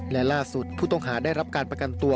และล่าสุดผู้ต้องหาได้รับการประกันตัว